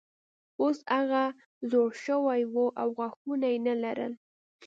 اوس هغه زوړ شوی و او غاښونه یې نه لرل.